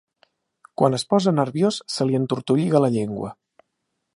Quan es posa nerviós, se li entortolliga la llengua.